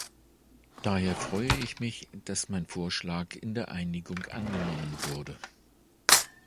Daher freue ich mich, dass mein Vorschlag in der Einigung angenommen wurde.